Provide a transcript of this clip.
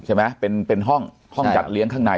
ใช่ไหมเป็นห้องห้องจัดเลี้ยงข้างใน